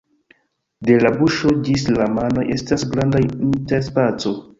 De la buŝo ĝis la manoj estas granda interspaco.